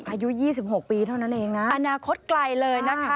อายุ๒๖ปีเท่านั้นเองนะอนาคตไกลเลยนะคะ